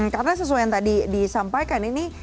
karena sesuai yang tadi disampaikan ini